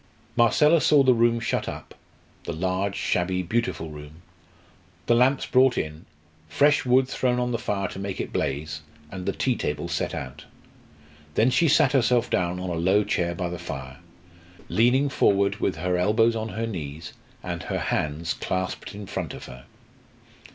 Marcella saw the room shut up the large, shabby, beautiful room the lamps brought in, fresh wood thrown on the fire to make it blaze, and the tea table set out. Then she sat herself down on a low chair by the fire, leaning forward with her elbows on her knees and her hands clasped in front of her.